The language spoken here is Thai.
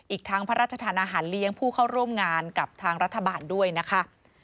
อีกทั้งพระราชทานอาหารเลี้ยงผู้เข้าร่วมงานกับทางรัฐบาลด้วยนะคะ